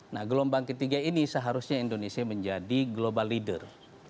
nah gelombang ketiga ini seharusnya indonesia menjadi global leader